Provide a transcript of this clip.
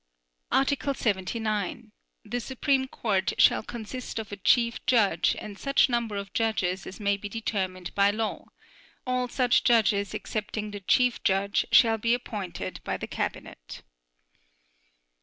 Article 79. The Supreme Court shall consist of a Chief Judge and such number of judges as may be determined by law; all such judges excepting the Chief Judge shall be appointed by the Cabinet.